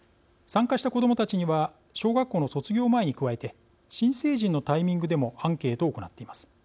参加した子どもたちには小学校の卒業前に加えて新成人のタイミングでもアンケートを行っています。